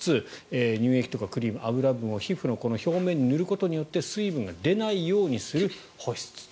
乳液とかクリーム、脂分を皮膚の表面に塗ることで水分が出ないようにする保湿と。